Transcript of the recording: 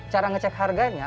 cara ngecek harganya